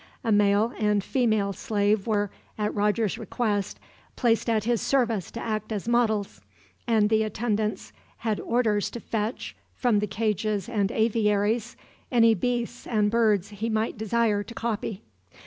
A male and female slave were, at Roger's request, placed at his service to act as models; and the attendants had orders to fetch, from the cages and aviaries, any beasts and birds he might desire to copy.